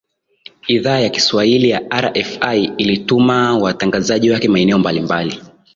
idhaa ya kiswahili ya rfi ilituma watangazaji wake maeneo mbalimbali